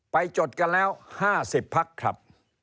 จดกันแล้ว๕๐พักครับ